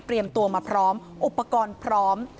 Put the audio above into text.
เตรียมตัวมาพร้อมอุปกรณ์พร้อม